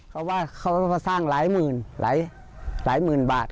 เพราะว่าเขามาสร้างหลายหมื่นหลายหมื่นบาท